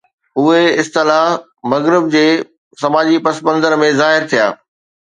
اهي اصطلاح مغرب جي سماجي پس منظر ۾ ظاهر ٿيا.